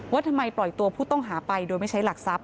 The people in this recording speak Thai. ว่าทำไมปล่อยตัวผู้ต้องหาไปโดยไม่ใช้หลักทรัพย